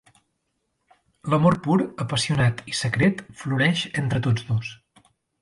L'amor pur, apassionat i secret floreix entre tots dos.